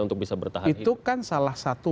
untuk bisa bertahan itu kan salah satu